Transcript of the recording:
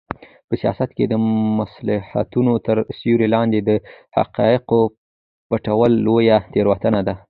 په سیاست کې د مصلحتونو تر سیوري لاندې د حقایقو پټول لویه تېروتنه ده.